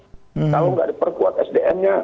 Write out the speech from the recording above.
kalau nggak diperkuat sdm nya